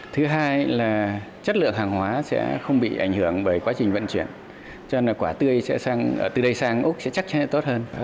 thứ hai là chất lượng hàng hóa sẽ không bị ảnh hưởng bởi quá trình vận chuyển cho nên quả tươi sẽ từ đây sang úc sẽ chắc sẽ tốt hơn